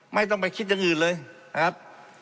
ไม่ต้องไปคิดอย่างอื่นเลยนะครับ